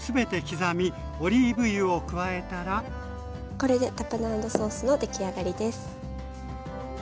これでタプナードソースのできあがりです。